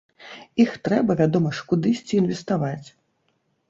Іх трэба, вядома ж, кудысьці інвеставаць.